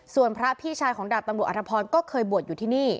ส่วนพระพี่ชายของดาบตำรวจอธพรก็เคยบวชอยู่ที่นี่